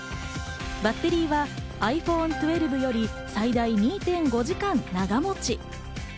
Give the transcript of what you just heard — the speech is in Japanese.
バッテリーはｉＰｈｏｎｅ１２より最大２．５時間長持ち。